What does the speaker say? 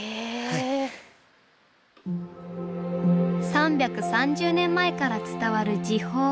３３０年前から伝わる寺宝。